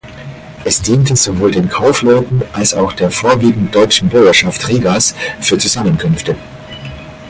Es diente sowohl den Kaufleuten als auch der vorwiegend deutschen Bürgerschaft Rigas für Zusammenkünfte.